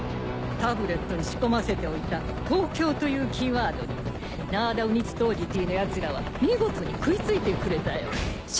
タブレットに仕込ませておいた「東京」というキーワードにナーダ・ウニチトージティのヤツらは見事に食い付いてくれたよ。